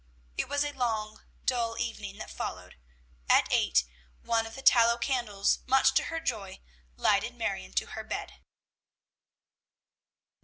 It was a long, dull evening that followed. At eight, one of the tallow candles, much to her joy, lighted Marion to her bed.